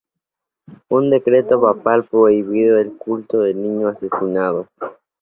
Un decreto papal prohibió el culto del niño asesinado.